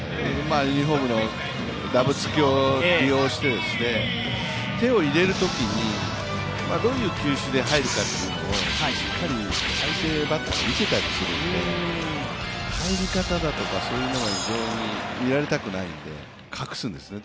ユニフォームのだぶつきを利用して、手を入れるときに、どういう球種で入るかというのをしっかり相手バッターに見せたりするんで入り方だとか、そういうのは見られたくないので隠すんですね。